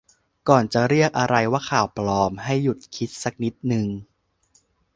ก่อนจะเรียกอะไรว่า ข่าวปลอม ให้หยุดคิดสักนิดหนึ่ง